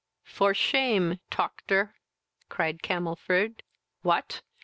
"For shame, toctor, (cried Camelford;) what!